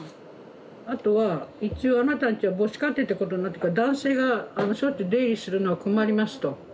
あとは一応あなたのうちは母子家庭ってことになってるから男性があのしょっちゅう出入りするのは困りますと。